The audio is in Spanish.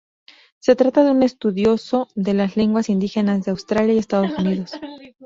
Se trata de un estudioso de las lenguas indígenas de Australia y Estados Unidos.